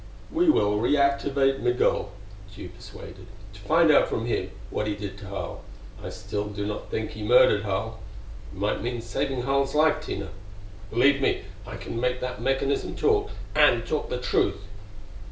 "We will re actuate Migul," Tugh persuaded, "and find out from him what he did to Harl. I still do not think he murdered Harl.... It might mean saving Harl's life, Tina. Believe me, I can make that mechanism talk, and talk the truth!"